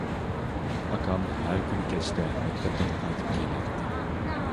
ئاكام ھەر كۈنى كەچتە مەكتەپتىن قايتىپ كېلەتتى.